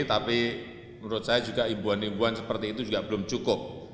tapi menurut saya juga imbuan himbuan seperti itu juga belum cukup